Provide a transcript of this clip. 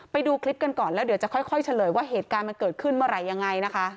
ไปดูคลิปกันก่อนแล้วเดี๋ยวจะค่อยเฉลยว่าเหตุการณ์มันเกิดขึ้นเมื่อไหร่ยังไงนะคะ